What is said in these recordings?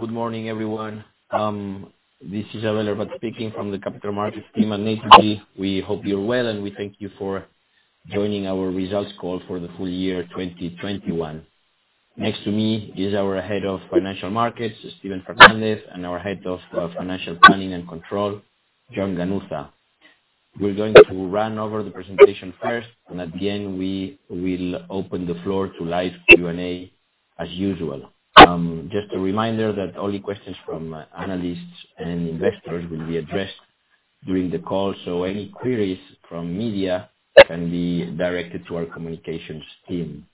Good morning, everyone. This is Abel Arbat speaking from the capital markets team at Naturgy. We hope you're well, and we thank you for joining our results call for the full year 2021. Next to me is our head of financial markets, Steven Fernández, and our head of financial planning and control, Jon Ganuza. We're going to run over the presentation first, and at the end, we will open the floor to live Q&A as usual. Just a reminder that only questions from analysts and investors will be addressed during the call, so any queries from media can be directed to our communications team.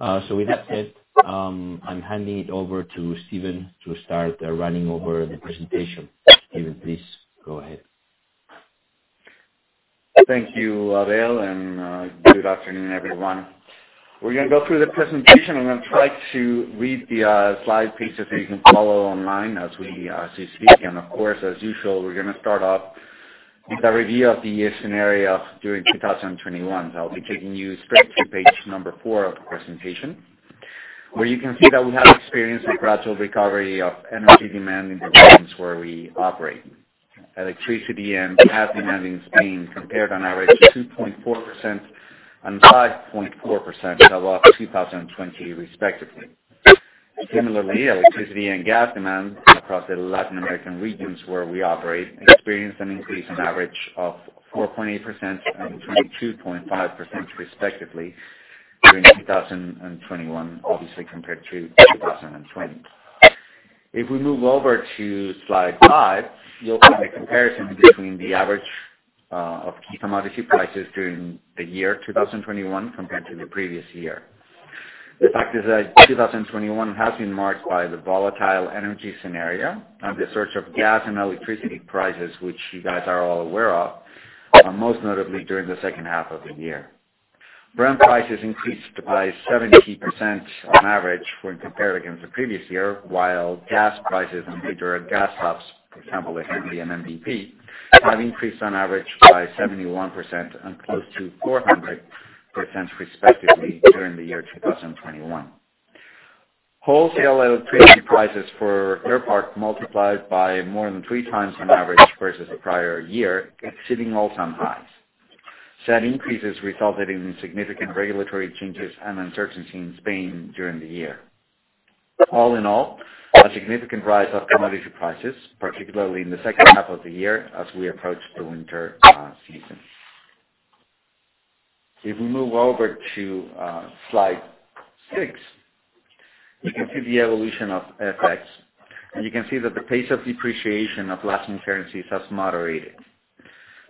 With that said, I'm handing it over to Steven to start running over the presentation. Steven, please go ahead. Thank you, Abel, and good afternoon, everyone. We're gonna go through the presentation. I'm gonna try to read the slide piece so you can follow online as we speak. Of course, as usual, we're gonna start off with a review of the year scenario during 2021. I'll be taking you straight to page 4 of the presentation, where you can see that we have experienced a gradual recovery of energy demand in the regions where we operate. Electricity and gas demand in Spain compared on average 2.4% and 5.4% above 2020 respectively. Similarly, electricity and gas demand across the Latin American regions where we operate experienced an increase on average of 4.8% and 22.5% respectively during 2021, obviously compared to 2020. If we move over to slide five, you'll find a comparison between the average of key commodity prices during the year 2021 compared to the previous year. The fact is that 2021 has been marked by the volatile energy scenario and the surge of gas and electricity prices, which you guys are all aware of, and most notably during the second half of the year. Brent prices increased by 70% on average when compared against the previous year, while gas prices on major gas hubs, for example, like MB and NBP, have increased on average by 71% and close to 400% respectively during the year 2021. Wholesale electricity prices for their part multiplied by more than three times on average versus the prior year, exceeding all-time highs. Said increases resulted in significant regulatory changes and uncertainty in Spain during the year. All in all, a significant rise of commodity prices, particularly in the second half of the year as we approach the winter season. If we move over to slide six, you can see the evolution of FX. You can see that the pace of depreciation of Latin currencies has moderated.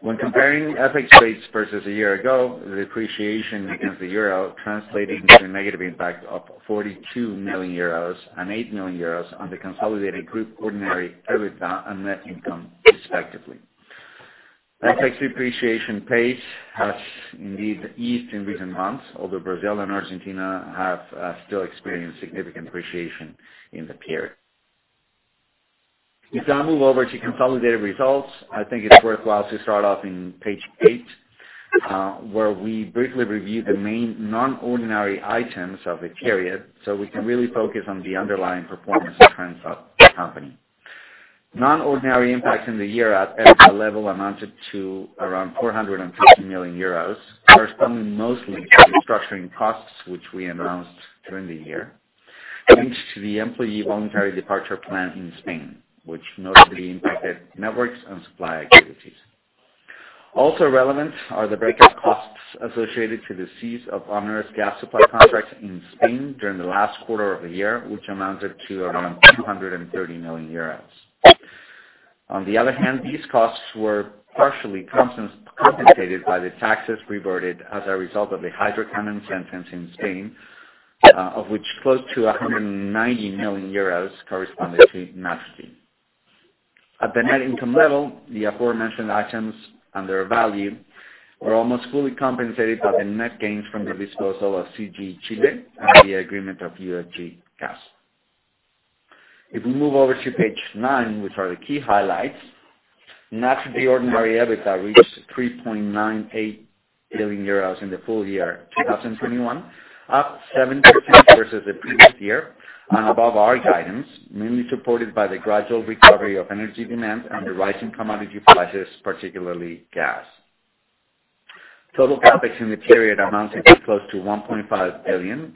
When comparing FX rates versus a year ago, the depreciation against the Euro translated into a negative impact of 42 million euros and 8 million euros on the consolidated group ordinary EBITDA and net income respectively. FX depreciation pace has indeed eased in recent months, although Brazil and Argentina have still experienced significant appreciation in the period. If I move over to consolidated results, I think it's worthwhile to start off on page eight, where we briefly review the main non-ordinary items of the period, so we can really focus on the underlying performance and trends of the company. Non-ordinary impacts in the year at EBITDA level amounted to around 450 million euros, corresponding mostly to restructuring costs, which we announced during the year, thanks to the employee voluntary departure plan in Spain, which notably impacted networks and supply activities. Relevant are the breakup costs associated to the cease of onerous gas supply contracts in Spain during the last quarter of the year, which amounted to around 230 million euros. On the other hand, these costs were partially compensated by the taxes reverted as a result of the hydrocarbon sentence in Spain, of which close to 190 million euros corresponded to Naturgy. At the net income level, the aforementioned items and their value were almost fully compensated by the net gains from the disposal of CGE Chile and the agreement of UFG Gas. If we move over to page nine, which are the key highlights, Naturgy ordinary EBITDA reached 3.98 billion euros in the full year 2021, up 7% versus the previous year and above our guidance, mainly supported by the gradual recovery of energy demand and the rising commodity prices, particularly gas. Total CapEx in the period amounted to close to EUR 1.5 billion.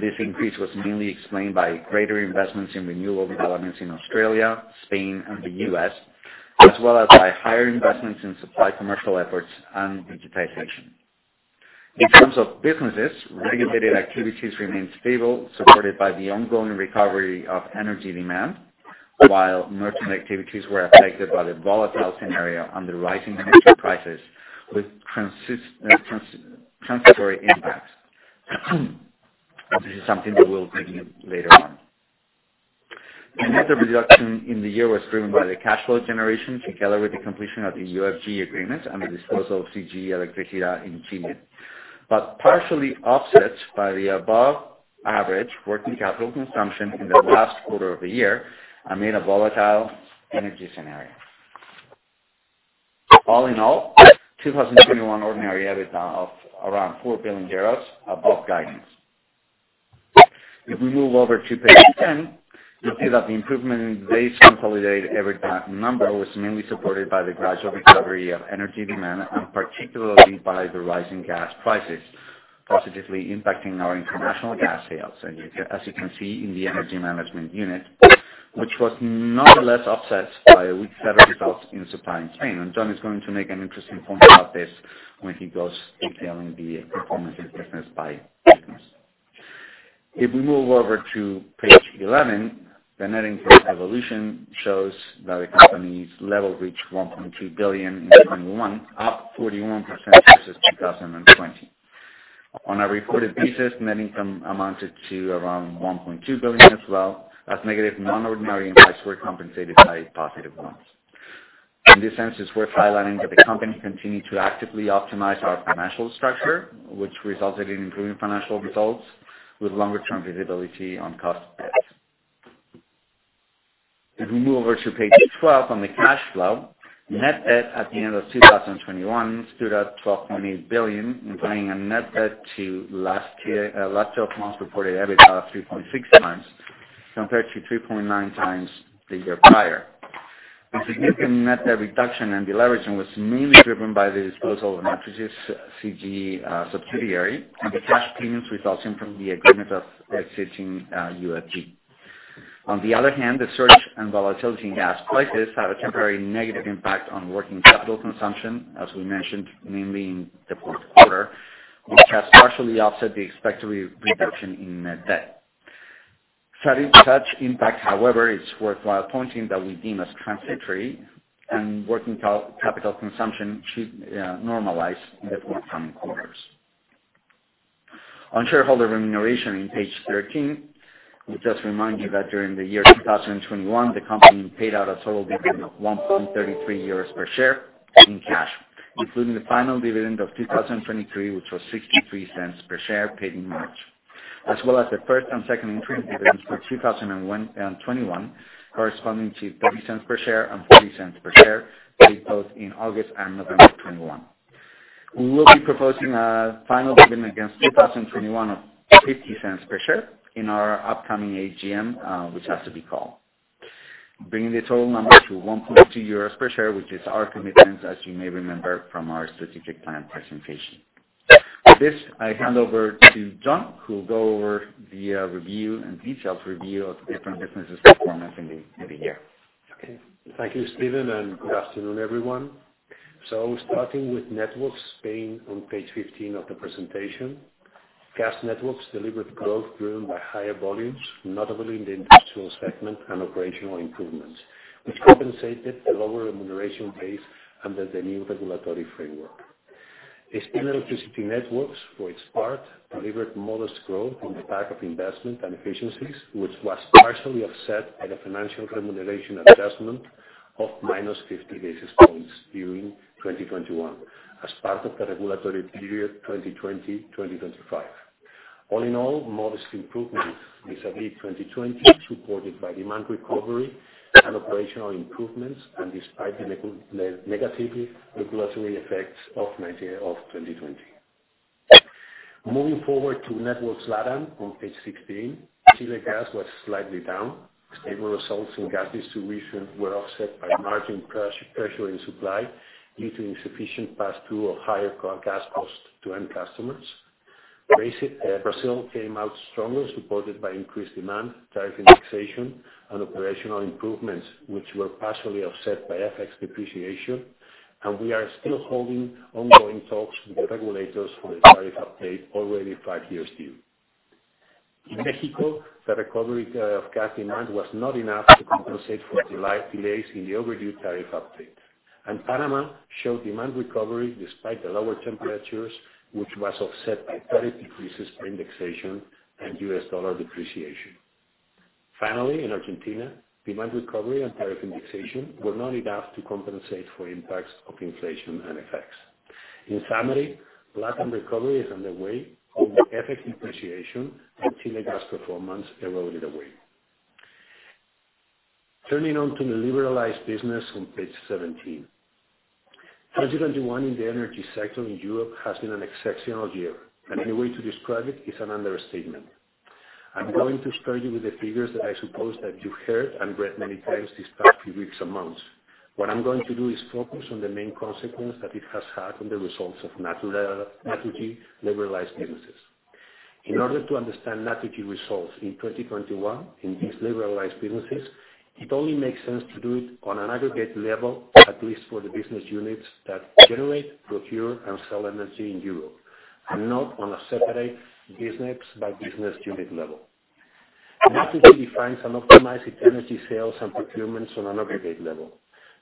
This increase was mainly explained by greater investments in renewable developments in Australia, Spain, and the U.S., as well as by higher investments in supply commercial efforts and digitization. In terms of businesses, regulated activities remained stable, supported by the ongoing recovery of energy demand, while merchant activities were affected by the volatile scenario on the rising energy prices with transitory impacts. This is something that we'll review later on. Net reduction in the year was driven by the cash flow generation together with the completion of the UFG agreement and the disposal of CGE Electricidad in Chile, but partially offset by the above average working capital consumption in the last quarter of the year amid a volatile energy scenario. All in all, 2021 ordinary EBITDA of around 4 billion euros above guidance. If we move over to page 10, you'll see that the improvement in the base consolidated EBITDA number was mainly supported by the gradual recovery of energy demand, and particularly by the rising gas prices, positively impacting our international gas sales, as you can see in the energy management unit, which was nonetheless offset by weak weather results in supply in Spain. Manuel García Cobaleda is going to make an interesting point about this when he goes detailing the performance of the business by business. If we move over to page 11, the net income evolution shows that the company's level reached 1.2 billion in 2021, up 41% versus 2020. On a recorded basis, net income amounted to around 1.2 billion as well, as negative non-ordinary impacts were compensated by positive ones. In this sense, it's worth highlighting that the company continued to actively optimize our financial structure, which resulted in improving financial results with longer term visibility on cost. If we move over to page 12 on the cash flow, net debt at the end of 2021 stood at 12.8 billion, implying a net debt to last twelve months reported EBITDA of 3.6 times compared to 3.9 times the year prior. The significant net debt reduction and deleveraging was mainly driven by the disposal of Naturgy's CGE subsidiary, and the cash payments resulting from the agreement of exiting UFG. On the other hand, the surge and volatility in gas prices had a temporary negative impact on working capital consumption, as we mentioned, mainly in the fourth quarter, which has partially offset the expected re-reduction in net debt. Such impact, however, it's worthwhile pointing that we deem as transitory and working capital consumption should normalize in the forthcoming quarters. On shareholder remuneration on page 13, we just remind you that during the year 2021, the company paid out a total dividend of 1.33 euros per share in cash, including the final dividend of 2021, which was 0.63 per share, paid in March. As well as the first and second interim dividends for 2021, corresponding to 0.30 per share and 0.40 per share, paid both in August and November of 2021. We will be proposing a final dividend against 2021 of 0.50 per share in our upcoming AGM, which has to be called, bringing the total number to 1.2 euros per share, which is our commitment, as you may remember from our strategic plan presentation. With this, I hand over to John, who will go over the review and detailed review of the different businesses' performance in the year. Okay. Thank you, Steven, and good afternoon, everyone. Starting with Networks Spain on page 15 of the presentation. Gas Networks delivered growth driven by higher volumes, notably in the industrial segment and operational improvements, which compensated the lower remuneration base under the new regulatory framework. Spanish Electricity Networks, for its part, delivered modest growth on the back of investment and efficiencies, which was partially offset by the financial remuneration adjustment of -50 basis points during 2021 as part of the regulatory period, 2020, 2025. All in all, modest improvements vis-à-vis 2020, supported by demand recovery and operational improvements, and despite the negative regulatory effects of 2020. Moving forward to Networks LatAm on page 16. Chile Gas was slightly down. Stable results in gas distribution were offset by margin pressure in supply, leading to insufficient pass-through of higher gas costs to end customers. Brazil came out stronger, supported by increased demand, tariff indexation, and operational improvements, which were partially offset by FX depreciation. We are still holding ongoing talks with the regulators for the tariff update already five years due. In Mexico, the recovery of gas demand was not enough to compensate for delays in the overdue tariff update. Panama showed demand recovery despite the lower temperatures, which was offset by tariff decreases for indexation and US dollar depreciation. Finally, in Argentina, demand recovery and tariff indexation were not enough to compensate for impacts of inflation and FX effects. In summary, LatAm recovery is underway, only FX depreciation and Chile Gas performance eroded away. Turning now to the Liberalized business on page 17. 2021 in the energy sector in Europe has been an exceptional year, and any way to describe it is an understatement. I'm going to start you with the figures that I suppose that you've heard and read many times these past few weeks and months. What I'm going to do is focus on the main consequence that it has had on the results of Naturgy liberalized businesses. In order to understand Naturgy results in 2021 in these liberalized businesses, it only makes sense to do it on an aggregate level, at least for the business units that generate, procure, and sell energy in Europe, and not on a separate business-by-business unit level. Naturgy defines and optimizes energy sales and procurements on an aggregate level,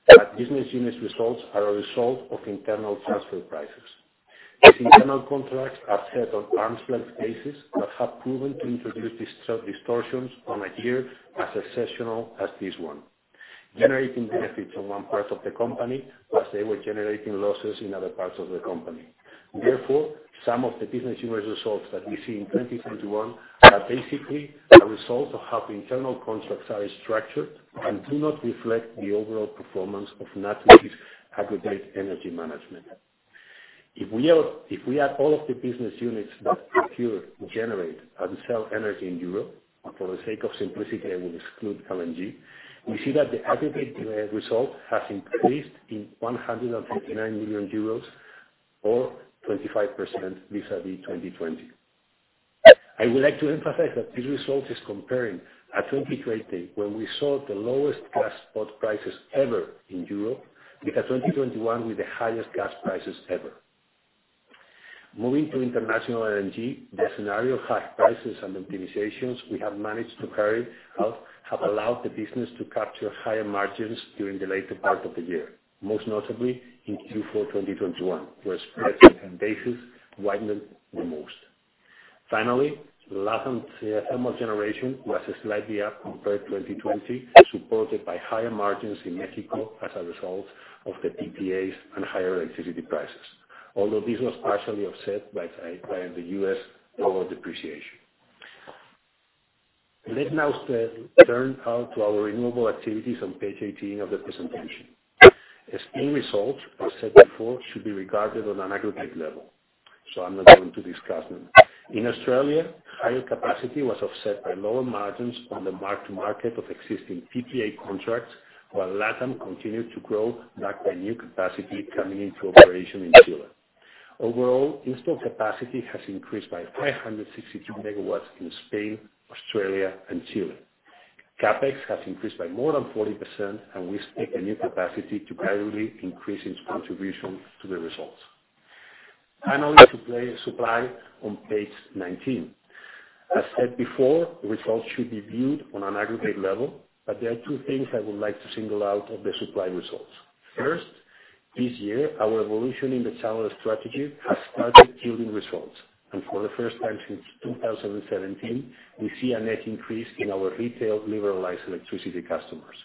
but business unit results are a result of internal transfer prices. These internal contracts are set on arm's length basis, but have proven to introduce distortions on a year as exceptional as this one, generating benefits on one part of the company as they were generating losses in other parts of the company. Therefore, some of the business unit results that we see in 2021 are basically a result of how the internal contracts are structured and do not reflect the overall performance of Naturgy's aggregate energy management. If we add all of the business units that procure, generate, and sell energy in Europe, and for the sake of simplicity, I will exclude LNG, we see that the aggregate result has increased in 159 million euros or 25% vis-a-vis 2020. I would like to emphasize that this result is comparing a 2020, when we saw the lowest gas spot prices ever in Europe, with a 2021 with the highest gas prices ever. Moving to international LNG, the scenario of high prices and optimizations we have managed to carry out have allowed the business to capture higher margins during the later part of the year, most notably in Q4 2021, where spreads and basis widened the most. Finally, LatAm, thermal generation was slightly up compared to 2020, supported by higher margins in Mexico as a result of the PPAs and higher electricity prices, although this was partially offset by the U.S. dollar depreciation. Let's now turn to our renewable activities on page 18 of the presentation. End results, as said before, should be regarded on an aggregate level, so I'm not going to discuss them. In Australia, higher capacity was offset by lower margins on the mark to market of existing PPA contracts, while LatAm continued to grow, backed by new capacity coming into operation in Chile. Overall, installed capacity has increased by 562 MW in Spain, Australia and Chile. CapEx has increased by more than 40%, and we expect the new capacity to gradually increase its contribution to the results. Finally, supply on page nineteen. As said before, results should be viewed on an aggregate level, but there are two things I would like to single out of the supply results. First, this year, our evolution in the channel strategy has started yielding results, and for the first time since 2017, we see a net increase in our retail liberalized electricity customers.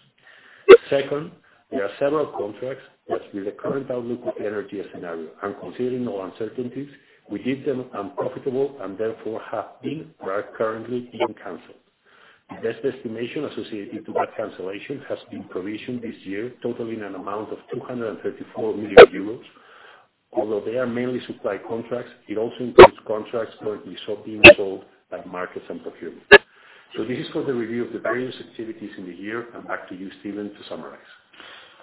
Second, there are several contracts that, with the current outlook of the energy scenario, and considering all uncertainties, we deem them unprofitable and therefore have been or are currently being canceled. The best estimation associated to that cancellation has been provisioned this year, totaling an amount of 234 million euros. Although they are mainly supply contracts, it also includes contracts currently now being sold at markets and procurement. This is for the review of the various activities in the year. Back to you, Steven, to summarize.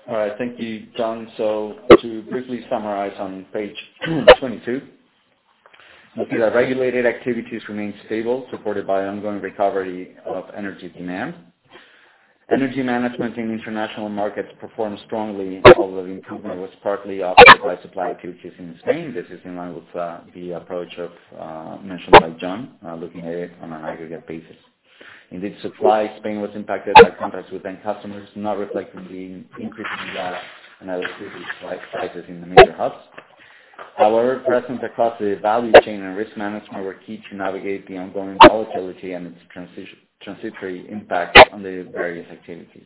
All right. Thank you, John. To briefly summarize on page 22, the regulated activities remain stable, supported by ongoing recovery of energy demand. Energy management in international markets performed strongly, although the improvement was partly offset by supply purchases in Spain. This is in line with the approach mentioned by John looking at it on an aggregate basis. Indeed, supply in Spain was impacted by contracts with end customers, not reflecting the increase in gas and electricity prices in the major hubs. However, presence across the value chain and risk management were key to navigate the ongoing volatility and its transitory impact on the various activities.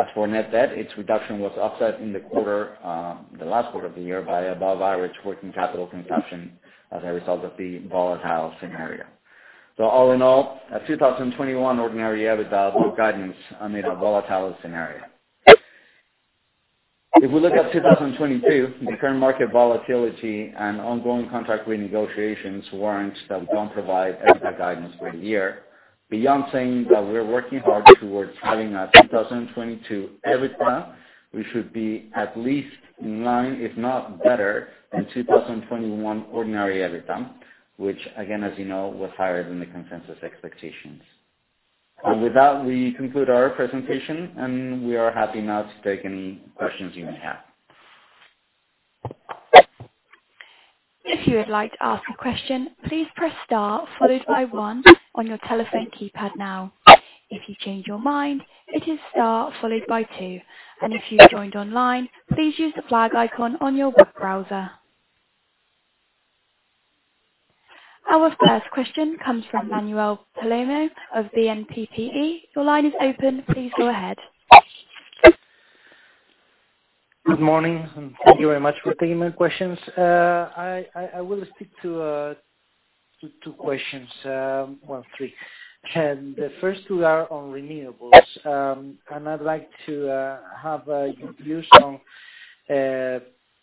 As for net debt, its reduction was offset in the last quarter of the year by above average working capital consumption as a result of the volatile scenario. All in all, a 2021 ordinary EBITDA with guidance amid a volatile scenario. If we look at 2022, the current market volatility and ongoing contract renegotiations warrants that we don't provide EBITDA guidance for the year. Beyond saying that we're working hard towards having a 2022 EBITDA, we should be at least in line, if not better, than 2021 ordinary EBITDA, which again, as you know, was higher than the consensus expectations. With that, we conclude our presentation, and we are happy now to take any questions you may have. Our first question comes from Manuel Palomo of BNP Paribas. Your line is open. Please go ahead. Good morning, and thank you very much for taking my questions. I will stick to two questions, well, three. The first two are on renewables. I'd like to have your views on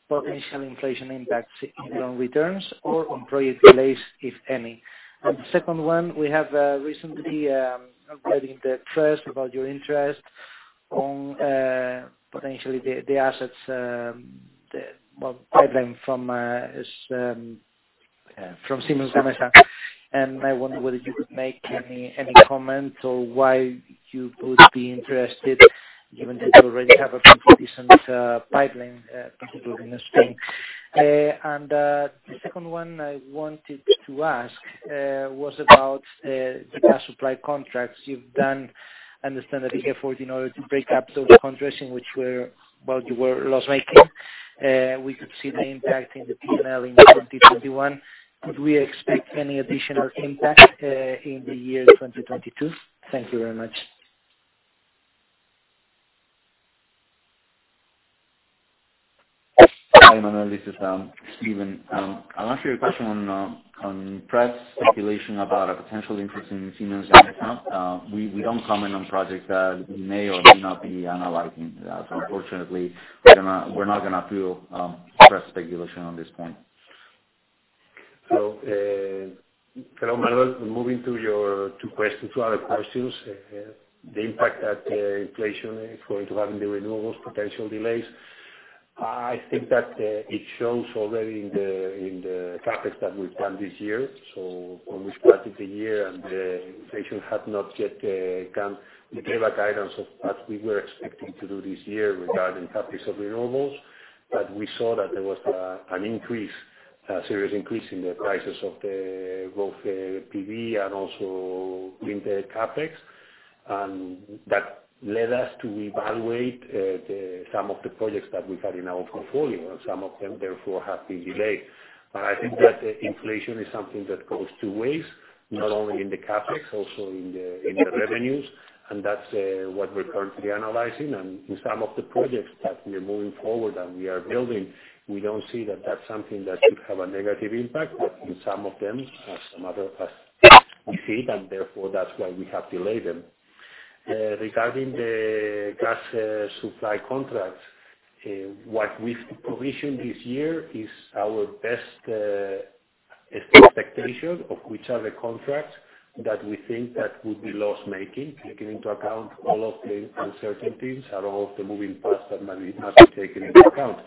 potential inflation impacts on returns or on project delays, if any. The second one, we have recently read in the press about your interest on potentially the assets, the pipeline from Siemens Gamesa. I wonder whether you would make any comment or why you would be interested, given that you already have a pretty decent pipeline, particularly in Spain. The second one I wanted to ask was about the gas supply contracts you've done. Understand that the effort in order to break up those contracts in which were, you were loss-making. We could see the impact in the P&L in 2021. Could we expect any additional impact in the year 2022? Thank you very much. Hi, Manuel. This is Steven. I'll ask you a question on press speculation about a potential interest in Siemens Gamesa acquisition. We don't comment on projects that we may or may not be analyzing. Unfortunately, we're not gonna fuel press speculation on this point. Hello, Manuel. Moving to your two other questions. The impact that inflation is going to have on the renewables, potential delays. I think that it shows already in the CapEx that we've done this year. When we started the year and the inflation had not yet come, we gave a guidance of what we were expecting to do this year regarding CapEx of renewables, but we saw that there was an increase, a serious increase in the prices of both PV and also wind CapEx. That led us to evaluate some of the projects that we had in our portfolio, and some of them therefore have been delayed. I think that inflation is something that goes two ways, not only in the CapEx, also in the revenues, and that's what we're currently analyzing. In some of the projects that we are moving forward and we are building, we don't see that that's something that could have a negative impact, but in some of them, as we see, and therefore that's why we have delayed them. Regarding the gas supply contracts, what we've provisioned this year is our best expectation of which are the contracts that we think that would be loss-making, taking into account all of the uncertainties and all of the moving parts that might have to take into account.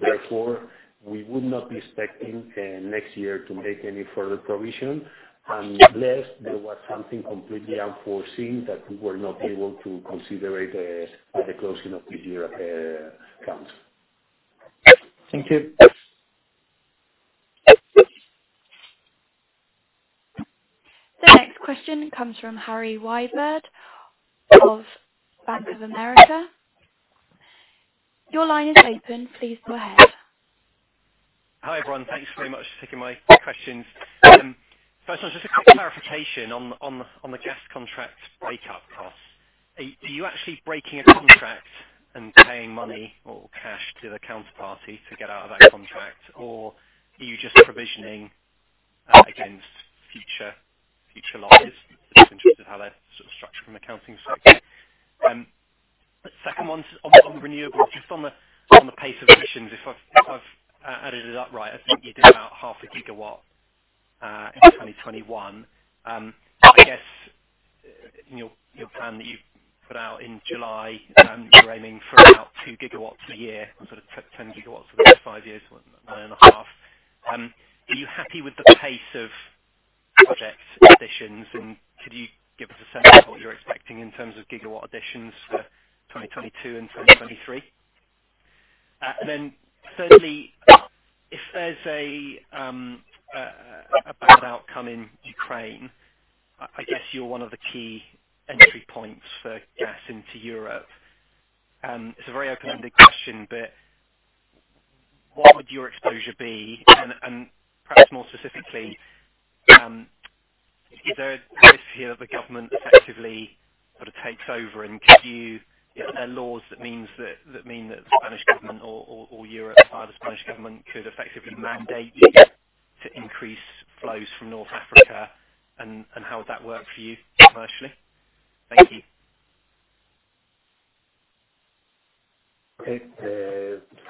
Therefore, we would not be expecting next year to make any further provision, unless there was something completely unforeseen that we were not able to consider at the closing of this year accounts. Thank you. The next question comes from Harry Wyburd of Bank of America. Your line is open. Please go ahead. Hi, everyone. Thanks very much for taking my questions. First one, just a quick clarification on the gas contract breakup costs. Are you actually breaking a contract and paying money or cash to the counterparty to get out of that contract, or are you just provisioning against future losses? Just interested how that's sort of structured from an accounting standpoint. Second one on renewables, just on the pace of expansion, if I've added it up right, I think you did about 0.5 GW in 2021. I guess in your plan that you put out in July, you're aiming for about two GW a year, sort of 10 GW over the next five years, or 9.5. Are you happy with the pace of project additions, and could you give us a sense of what you're expecting in terms of gigawatt additions for 2022 and 2023? Thirdly, if there's a bad outcome in Ukraine, I guess you're one of the key entry points for gas into Europe. It's a very open-ended question, but what would your exposure be? Perhaps more specifically, is there a risk here that the government effectively sort of takes over? Are there laws that mean that the Spanish government or Europe via the Spanish government could effectively mandate you to increase flows from North Africa, and how would that work for you commercially? Thank you. Okay.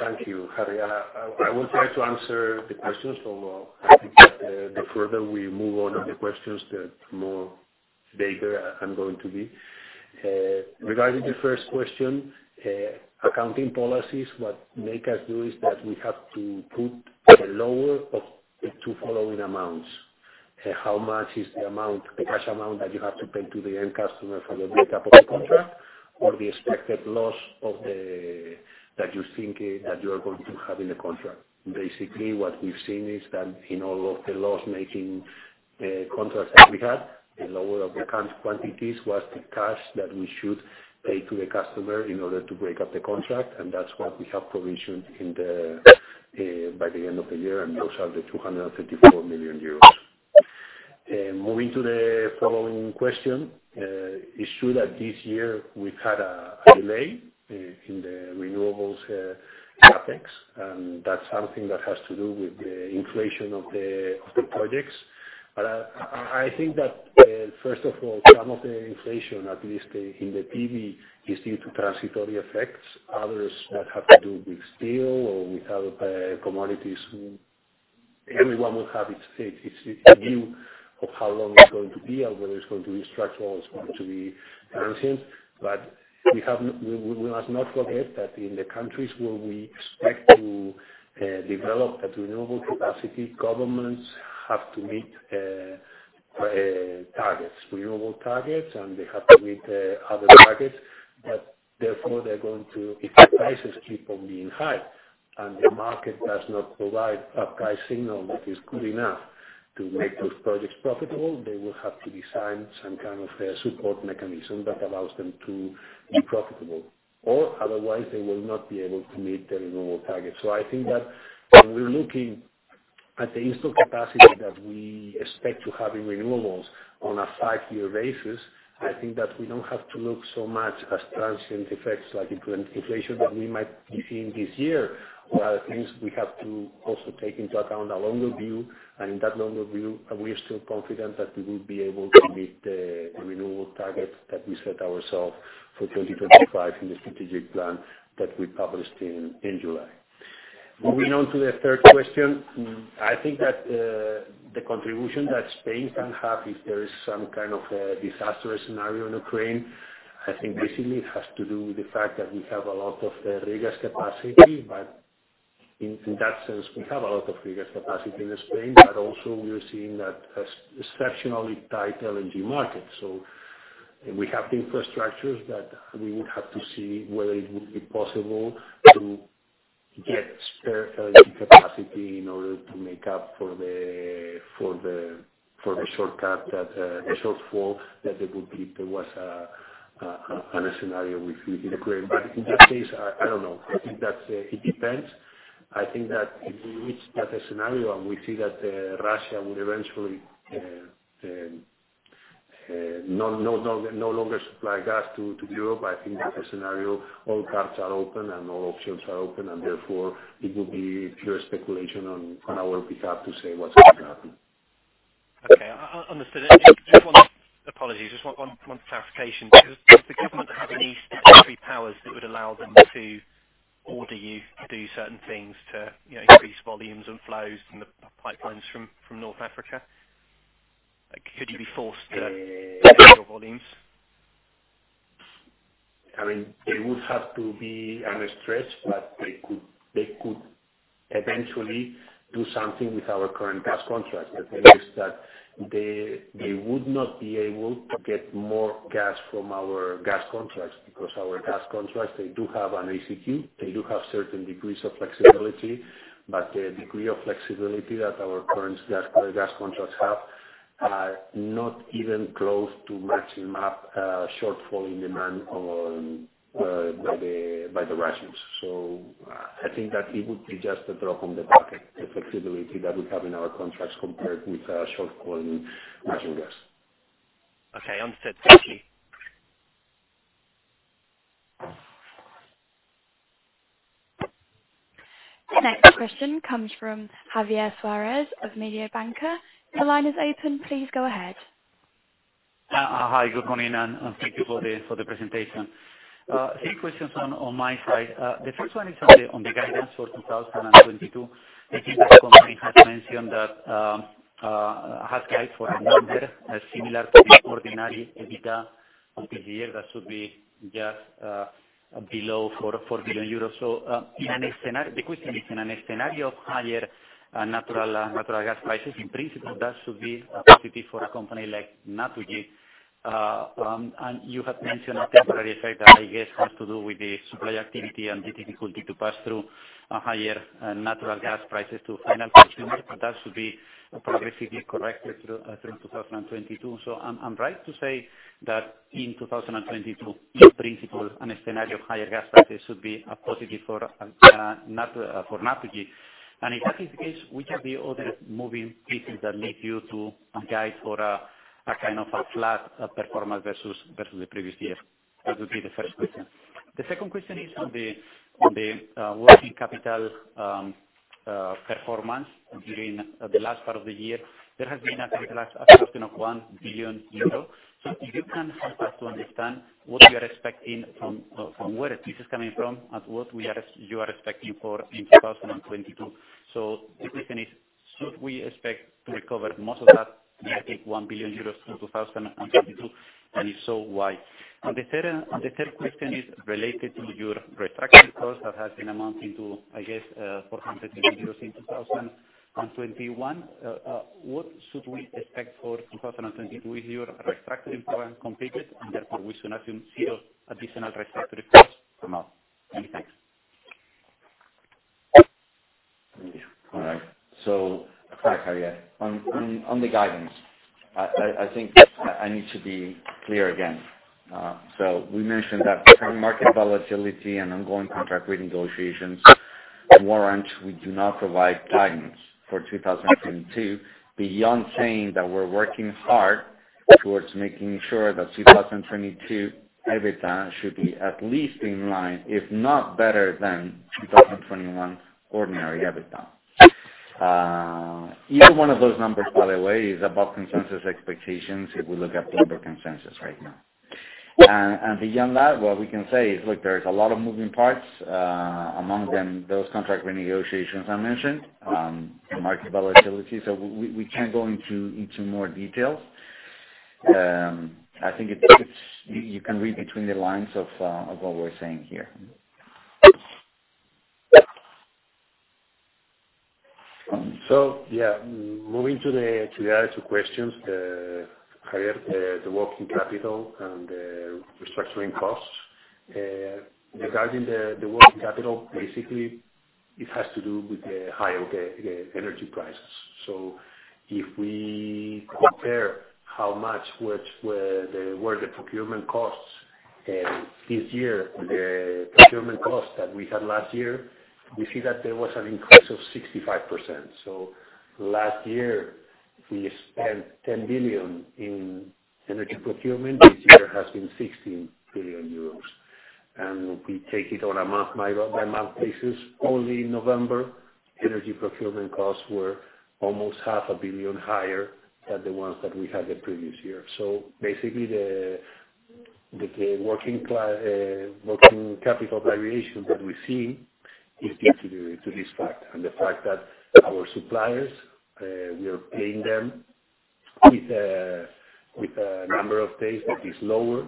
Thank you, Harry. I will try to answer the questions, although I think that the further we move on the questions, the more vague they're, I'm going to be. Regarding the first question, accounting policies, what makes us do is that we have to put the lower of the two following amounts. How much is the amount, the cash amount that you have to pay to the end customer for the breakup of the contract, or the expected loss that you think that you are going to have in the contract. Basically, what we've seen is that in all of the loss-making contracts that we have, the lower of the quantities was the cash that we should pay to the customer in order to break up the contract, and that's what we have provisioned in the P&L by the end of the year, and those are 234 million. Moving to the following question, it's true that this year we've had a delay in the renewables CapEx, and that's something that has to do with the inflation of the projects. I think that first of all, some of the inflation, at least, in the PV is due to transitory effects. Others that have to do with steel or with other commodities. Everyone will have its take, its view of how long it's going to be or whether it's going to be structural or it's going to be transient. We must not forget that in the countries where we expect to develop the renewable capacity, governments have to meet targets, renewable targets, and they have to meet other targets. Therefore, if the prices keep on being high and the market does not provide a price signal that is good enough to make those projects profitable, they will have to design some kind of a support mechanism that allows them to be profitable, or otherwise they will not be able to meet the renewable target. I think that when we're looking at the installed capacity that we expect to have in renewables on a five-year basis, I think that we don't have to look so much as transient effects, like inflation, that we might be seeing this year. Other things we have to also take into account a longer view, and in that longer view, we are still confident that we will be able to meet the renewable targets that we set ourselves for 2025 in the strategic plan that we published in July. Moving on to the third question, I think that the contribution that Spain can have if there is some kind of disaster scenario in Ukraine, I think basically it has to do with the fact that we have a lot of regasification capacity. In that sense, we have a lot of regasification capacity in Spain, but also we are seeing that exceptionally tight LNG market. We have the infrastructures, but we would have to see whether it would be possible to get spare capacity in order to make up for the shortfall that there would be if there was a scenario with Ukraine. In that case, I don't know. I think that it depends. I think that if we reach that scenario, and we see that Russia would eventually no longer supply gas to Europe, I think that scenario, all paths are open and all options are open, and therefore it would be pure speculation on our part to say what's going to happen. Okay. Understood. Apologies, just one clarification. Does the government have any powers that would allow them to order you to do certain things to, you know, increase volumes and flows from the pipelines from North Africa? Like, could you be forced to increase your volumes? I mean, they would have to be under stress, but they could eventually do something with our current gas contracts. The thing is that they would not be able to get more gas from our gas contracts because our gas contracts, they do have an ACQ. They do have certain degrees of flexibility, but the degree of flexibility that our current gas contracts have are not even close to matching up, shortfall in demand by the Russians. So I think that it would be just a drop in the bucket, the flexibility that we have in our contracts compared with the shortfall in natural gas. Okay. Understood. Thank you. The next question comes from Javier Suárez of Mediobanca. The line is open. Please go ahead. Hi, good morning, and thank you for the presentation. Three questions on my side. The first one is on the guidance for 2022. I think the company had mentioned that has guided for a number similar to the ordinary EBITDA of this year. That should be just below 4 billion euros. The question is, in a scenario of higher natural gas prices, in principle, that should be a positive for a company like Naturgy. You have mentioned a temporary effect that I guess has to do with the supply activity and the difficulty to pass through higher natural gas prices to final consumers, but that should be progressively corrected through 2022. I'm right to say that in 2022, in principle, on a scenario of higher gas prices should be a positive for Naturgy. If that is the case, which are the other moving pieces that lead you to guide for a kind of a flat performance versus the previous year? That would be the first question. The second question is on the working capital performance during the last part of the year. There has been a total reduction of 1 billion euro. If you can help us to understand what you are expecting from where this is coming from and what you are expecting for in 2022. The question is, should we expect to recover most of that nearly 1 billion euros through 2022? And if so, why? And the third question is related to your restructuring costs that has been amounting to, I guess, 400 million euros in 2021. What should we expect for 2022 with your restructuring program completed, and therefore we should assume zero additional restructuring costs from now? Many thanks. All right. Javier, on the guidance, I think I need to be clear again. We mentioned that current market volatility and ongoing contract renegotiations warrant we do not provide guidance for 2022 beyond saying that we're working hard towards making sure that 2022 EBITDA should be at least in line, if not better than 2021 ordinary EBITDA. Either one of those numbers, by the way, is above consensus expectations, if we look at Bloomberg consensus right now. Beyond that, what we can say is, look, there's a lot of moving parts, among them, those contract renegotiations I mentioned, market volatility. We can't go into more details. I think it's. You can read between the lines of what we're saying here. Yeah, moving to the other two questions, Javier, the working capital and restructuring costs. Regarding the working capital, basically it has to do with the high of the energy prices. If we compare how much where the procurement costs This year, the procurement costs that we had last year, we see that there was an increase of 65%. Last year, we spent 10 billion in energy procurement. This year has been 16 billion euros. We take it on a month-by-month basis. Only November, energy procurement costs were almost EUR half a billion higher than the ones that we had the previous year. Basically the working capital variation that we see is due to this fact, and the fact that our suppliers, we are paying them with a number of days that is lower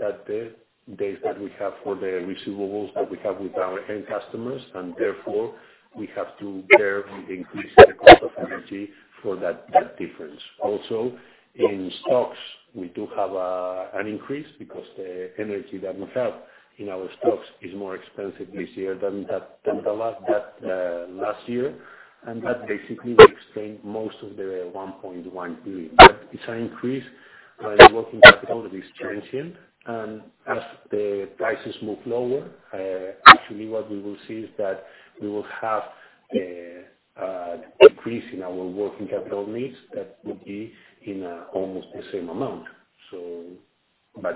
than the days that we have for the receivables that we have with our end customers, and therefore we have to bear with the increase in the cost of energy for that difference. Also, in stocks, we do have an increase because the energy that we have in our stocks is more expensive this year than last year. That basically will explain most of the 1.1 billion. It's an increase, working capital is transient. As the prices move lower, actually what we will see is that we will have a decrease in our working capital needs that will be in almost the same amount.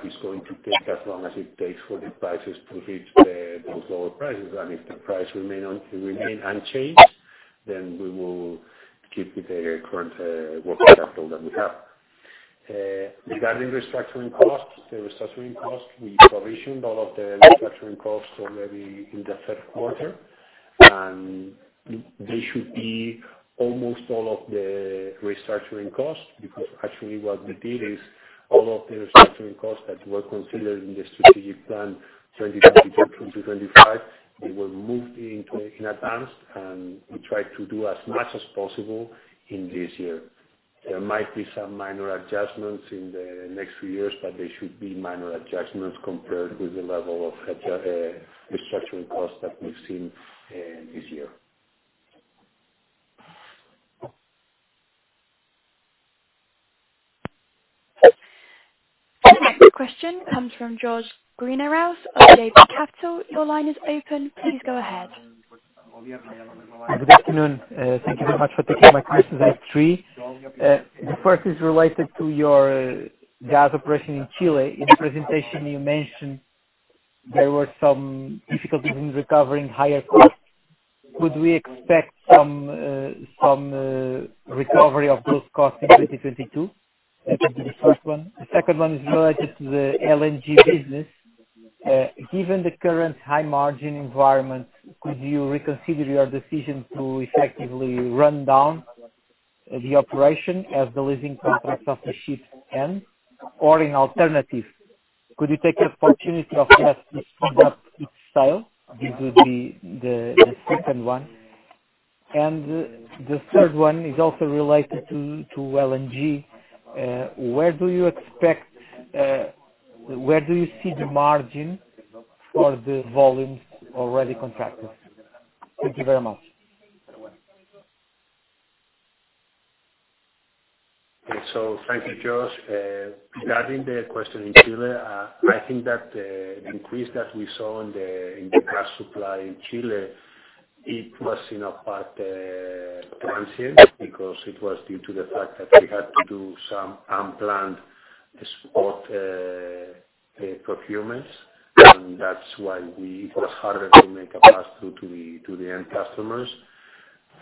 It's going to take as long as it takes for the prices to reach those lower prices. If the prices remain unchanged, then we will keep with the current working capital that we have. Regarding restructuring costs, we provisioned all of the restructuring costs already in the third quarter. They should be almost all of the restructuring costs, because actually what we did is all of the restructuring costs that were considered in the strategic plan 2022 through 2025, they were moved in in advance, and we tried to do as much as possible in this year. There might be some minor adjustments in the next few years, but they should be minor adjustments compared with the level of restructuring costs that we've seen this year. The next question comes from Jorge Guimarães of Davy Capital. Your line is open. Please go ahead. Good afternoon. Thank you very much for taking my questions. I have three. The first is related to your gas operation in Chile. In the presentation you mentioned there were some difficulties in recovering higher costs. Could we expect some recovery of those costs in 2022? That would be the first one. The second one is related to the LNG business. Given the current high margin environment, could you reconsider your decision to effectively run down the operation as the leasing contracts of the ships end? Or alternatively, could you take the opportunity of that to speed up its sale? This would be the second one. The third one is also related to LNG. Where do you see the margin for the volumes already contracted? Thank you very much. Thank you, Jorge Guimarães. Regarding the question in Chile, I think that the increase that we saw in the gas supply in Chile, it was, you know, partly transient because it was due to the fact that we had to do some unplanned spot procurements. It was harder to make a pass through to the end customers.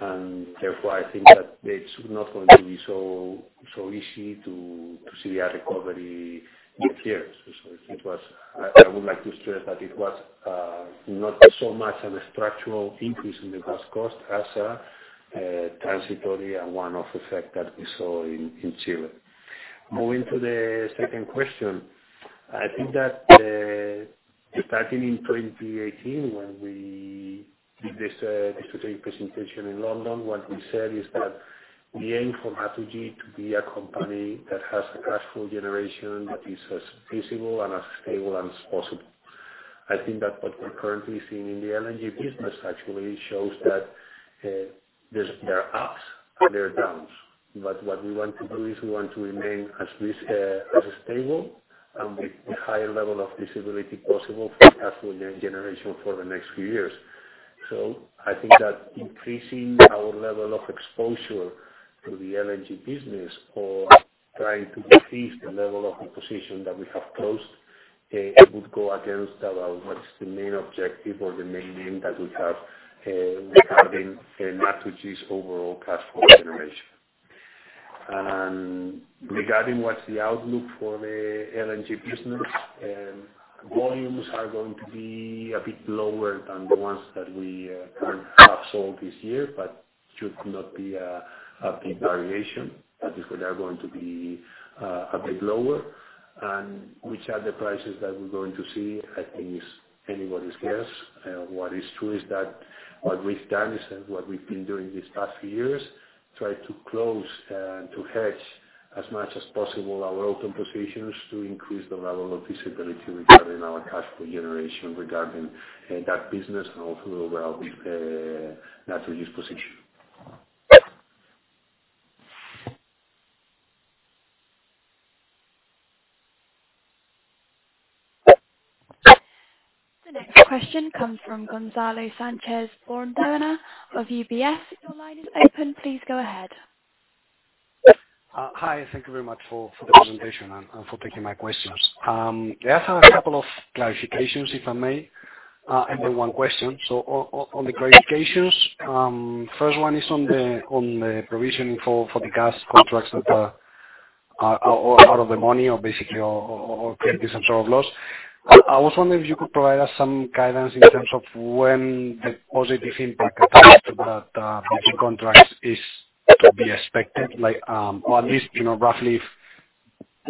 Therefore, I think that it's not going to be so easy to see a recovery in here. I would like to stress that it was not so much of a structural increase in the gas cost as a transitory and one-off effect that we saw in Chile. Moving to the second question. I think that starting in 2018, when we did this Investor Day presentation in London, what we said is that we aim for Naturgy to be a company that has a cash flow generation that is as feasible and as stable as possible. I think that what we're currently seeing in the LNG business actually shows that there are ups and downs. What we want to do is we want to remain as stable and with higher level of visibility possible for cash flow generation for the next few years. I think that increasing our level of exposure to the LNG business or trying to decrease the level of position that we have closed, it would go against our, what's the main objective or the main aim that we have, regarding, Naturgy's overall cash flow generation. Regarding what's the outlook for the LNG business, volumes are going to be a bit lower than the ones that we currently have sold this year, but should not be a big variation. That is, we're now going to be a bit lower. Which are the prices that we're going to see, I think is anybody's guess. What is true is that what we've done is, and what we've been doing these past few years, try to close and to hedge as much as possible our open positions to increase the level of visibility regarding our cash flow generation, regarding that business and also overall with Naturgy's position. The next question comes from Gonzalo Sánchez-Bordona of UBS. Your line is open. Please go ahead. Hi, thank you very much for the presentation and for taking my questions. I just have a couple of clarifications, if I may, and then one question. On the clarifications, first one is on the provisioning for the gas contracts that are all out of the money or basically creating some sort of loss. I was wondering if you could provide us some guidance in terms of when the positive impact attached to that BG contracts is to be expected, like, or at least, you know, roughly if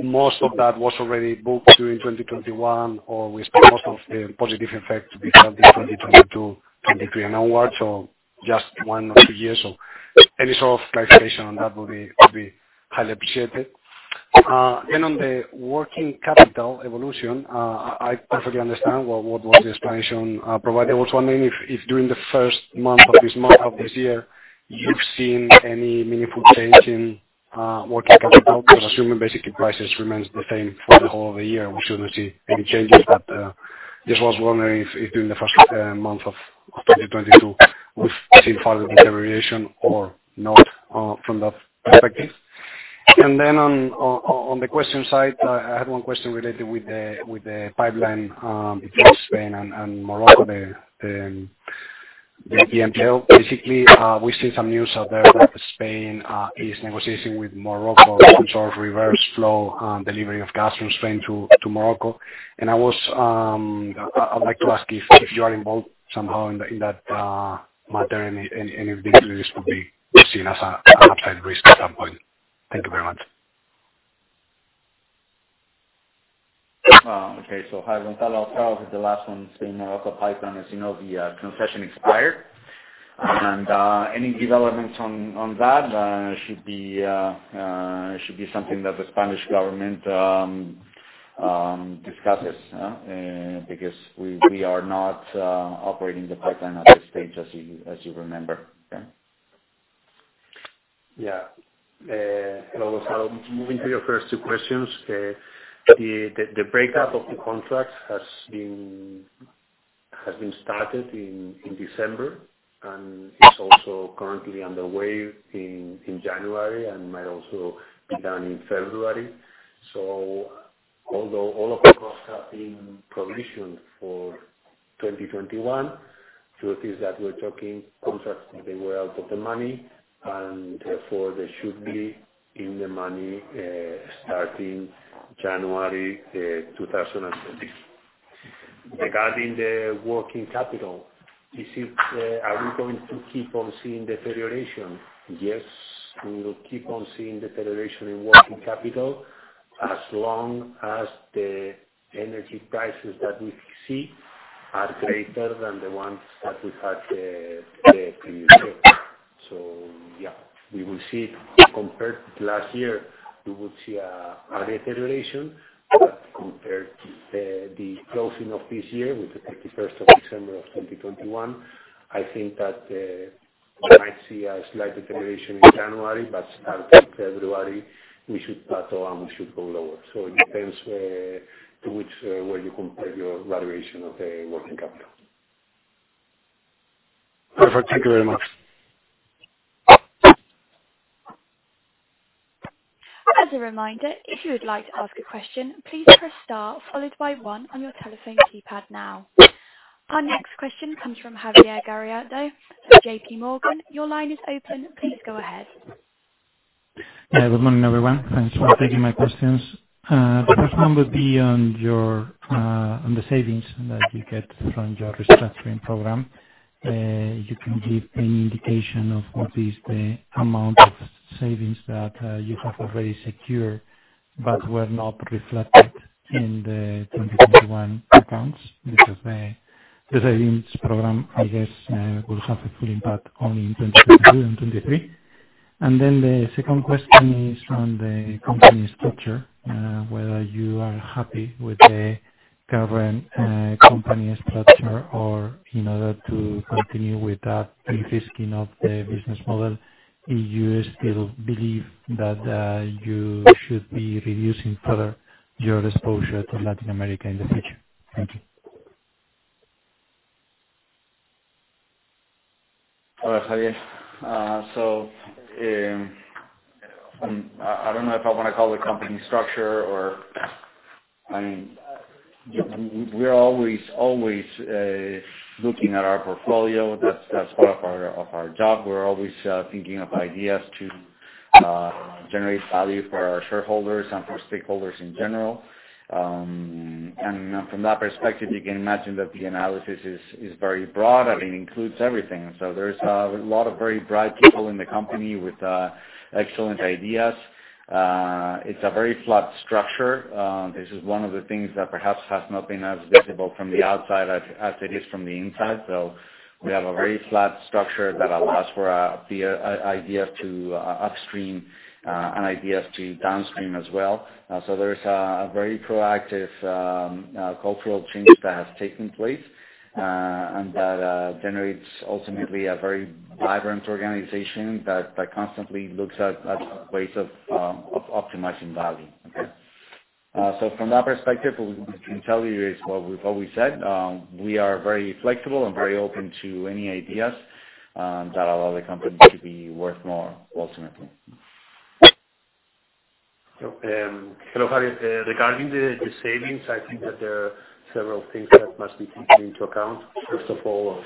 most of that was already booked during 2021, or we expect most of the positive effect to be felt in 2022, 2023 and onwards, or just one or two years. Any sort of clarification on that would be highly appreciated. On the working capital evolution, I perfectly understand what was the explanation provided. I was wondering if during the first month of this year, you've seen any meaningful change in working capital, because assuming basically prices remains the same for the whole of the year, we shouldn't see any changes. Just was wondering if during the first month of 2022, we've seen further deterioration or not from that perspective. On the question side, I had one question related with the pipeline between Spain and Morocco, the GME. Basically, we see some news out there that Spain is negotiating with Morocco some sort of reverse flow delivery of gas from Spain to Morocco. I'd like to ask if you are involved somehow in that matter and if this could be seen as an upside risk at some point. Thank you very much. Hi, Gonzalo. I'll start with the last one. In Morocco pipeline, as you know, the concession expired. Any developments on that should be something that the Spanish government discusses, because we are not operating the pipeline at this stage, as you remember. Okay? Yeah. Hello, Gonzalo. Moving to your first two questions. The breakup of the contracts has been started in December, and it's also currently underway in January and might also be done in February. Although all of the costs have been provisioned for 2021, truth is that we're talking contracts that they were out of the money, and therefore, they should be in the money starting January 2022. Regarding the working capital, are we going to keep on seeing deterioration? Yes, we will keep on seeing deterioration in working capital as long as the energy prices that we see are greater than the ones that we had the previous year. Yeah, we will see it. Compared to last year, we would see a deterioration, but compared to the closing of this year, with the 31st of December 2021, I think that we might see a slight deterioration in January, but starting February, we should plateau, and we should go lower. So it depends on which way you compare your valuation of the working capital. Perfect. Thank you very much. As a reminder, if you would like to ask a question, please press star followed by one on your telephone keypad now. Our next question comes from Javier Garrido of JP Morgan. Your line is open. Please go ahead. Yeah, good morning, everyone. Thanks for taking my questions. The first one would be on your on the savings that you get from your restructuring program. You can give any indication of what is the amount of savings that you have already secured but were not reflected in the 2021 accounts? Because the savings program, I guess, will have a full impact only in 2022 and 2023. The second question is on the company structure, whether you are happy with the current company structure or in order to continue with that re-risking of the business model, do you still believe that you should be reducing further your exposure to Latin America in the future? Thank you. [Hola, Javier.] I don't know if I wanna call it company structure or I mean, we're always looking at our portfolio. That's part of our job. We're always thinking of ideas to generate value for our shareholders and for stakeholders in general. From that perspective, you can imagine that the analysis is very broad and it includes everything. There's a lot of very bright people in the company with excellent ideas. It's a very flat structure. This is one of the things that perhaps has not been as visible from the outside as it is from the inside. We have a very flat structure that allows for the idea to upstream and ideas to downstream as well. There's a very proactive cultural change that has taken place, and that generates ultimately a very vibrant organization that constantly looks at ways of optimizing value. Okay. From that perspective, what we can tell you is what we've always said. We are very flexible and very open to any ideas that allow the company to be worth more ultimately. Hello, Javier. Regarding the savings, I think that there are several things that must be taken into account. First of all,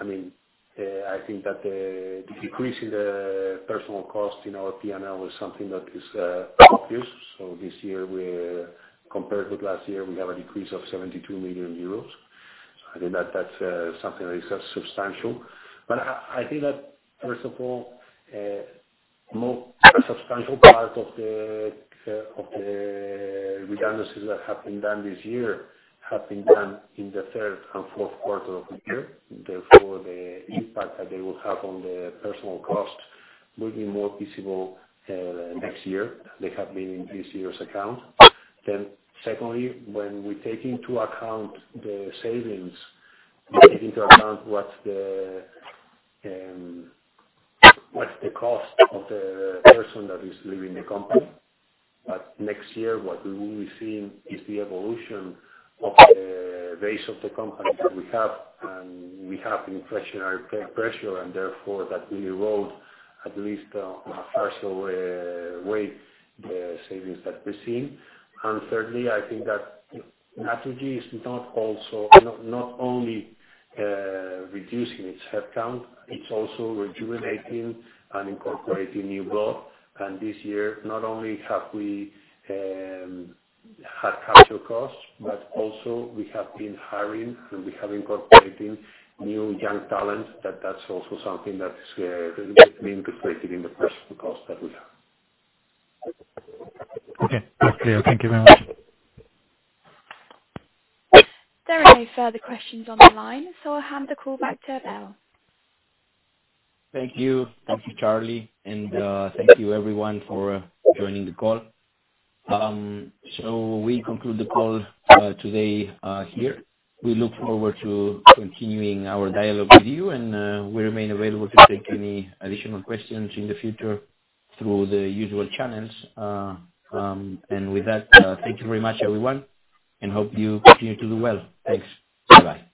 I mean, I think that the decrease in the personnel cost in our P&L is something that is obvious. This year compared to last year, we have a decrease of 72 million euros. I think that that's something that is substantial. I think that first of all, more substantial part of the redundancies that have been done this year have been done in the third and fourth quarter of the year. Therefore, the impact that they will have on the personnel cost will be more visible next year. They have been in this year's account. Secondly, when we take into account the savings, we take into account what the cost of the person that is leaving the company. Next year, what we will be seeing is the evolution of the base of the company that we have, and we have inflationary pressure, and therefore that will erode at least a partial way the savings that we're seeing. Thirdly, I think that Naturgy is not only reducing its headcount, it's also rejuvenating and incorporating new blood. This year, not only have we had capital costs, but also we have been hiring, and we have been incorporating new young talent that that also something that is will be incorporated in the personnel cost that we have. Okay. That's clear. Thank you very much. There are no further questions on the line, so I'll hand the call back to Abel. Thank you. Thank you, Charlie, and thank you everyone for joining the call. We conclude the call today here. We look forward to continuing our dialogue with you, and we remain available to take any additional questions in the future through the usual channels. With that, thank you very much everyone, and hope you continue to do well. Thanks. Bye-bye.